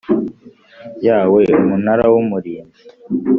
Yawe umunara w umurinzi